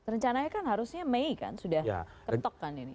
rencananya kan harusnya mei kan sudah ketok kan ini